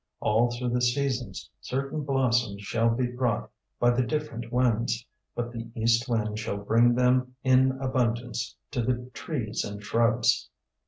All through the seasons certain blossoms shall be brought by the different winds, but the east wind shall bring them in abundance to the trees and shrubs.